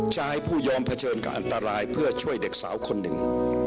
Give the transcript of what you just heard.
ชายผู้ยอมเผชิญกับอันตรายเพื่อช่วยเด็กสาวคนหนึ่ง